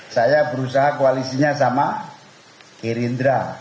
saya berusaha koalisinya sama gerindra